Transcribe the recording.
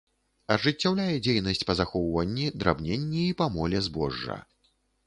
Ажыццяўляе дзейнасць па захоўванні, драбненні і памоле збожжа.